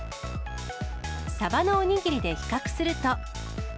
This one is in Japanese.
さばのおにぎりで比較すると。